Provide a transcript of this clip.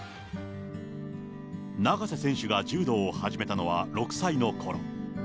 永瀬選手が柔道を始めたのは６歳のころ。